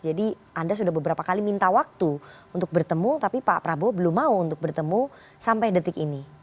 jadi anda sudah beberapa kali minta waktu untuk bertemu tapi pak prabowo belum mau untuk bertemu sampai detik ini